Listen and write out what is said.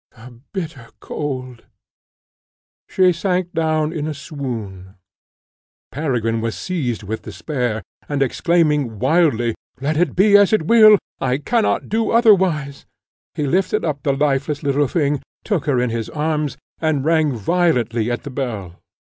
The bitter cold!" She sank down in a swoon; Peregrine was seized with despair, and exclaiming wildly, "Let it be as it will, I cannot do otherwise " he lifted up the lifeless little thing, took her in his arms, and rang violently at the bell.